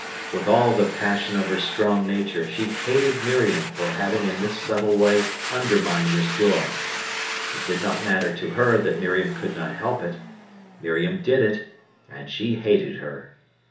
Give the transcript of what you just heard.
With all the passion of her strong nature she hated Miriam for having in this subtle way undermined his joy. It did not matter to her that Miriam could not help it. Miriam did it, and she hated her.